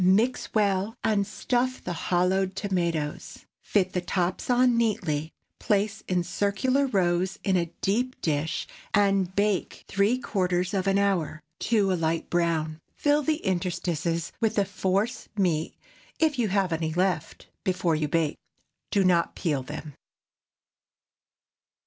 Mix well, and stuff the hollowed tomatoes. Fit the tops on neatly, place in circular rows in a deep dish and bake three quarters of an hour, to a light brown. Fill the interstices with the force meat if you have any left, before you bake. Do not peel them.